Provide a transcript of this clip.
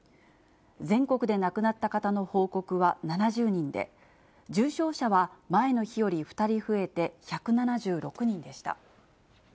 全国で亡くなった方の報告は７０人で、重症者は前の日より２人増えて１７６人でした。